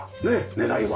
狙いは。